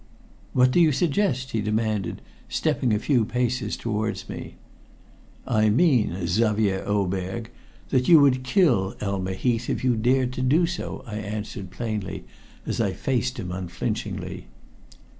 "What do you suggest?" he demanded, stepping a few paces towards me. "I mean, Xavier Oberg, that you would kill Elma Heath if you dared to do so," I answered plainly, as I faced him unflinchingly.